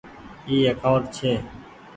اي اڪآونٽ ڇي۔